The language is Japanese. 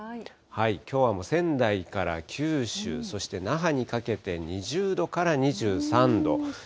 きょうは仙台から九州、そして那覇にかけて２０度から２３度。